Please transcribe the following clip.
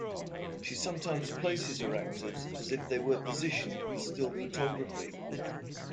She sometimes places her actors as if they were positioned for still photography.